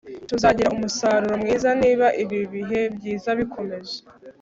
Tuzagira umusaruro mwiza niba ibi bihe byiza bikomeje